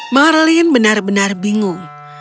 marlene benar benar bingung